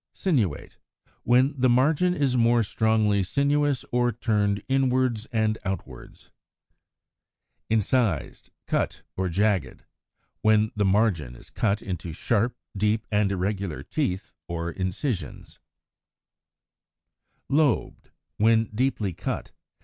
Sinuate, when the margin is more strongly sinuous or turned inwards and outwards; as in Fig. 146. Incised, Cut, or Jagged, when the margin is cut into sharp, deep, and irregular teeth or incisions; as in Fig. 147. Lobed, when deeply cut.